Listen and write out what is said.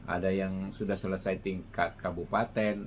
ada yang sudah selesai tingkat kabupaten